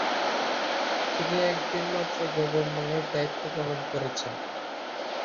তিনি একদিন মাত্র গভর্নরের দায়িত্বপালন করেছেন।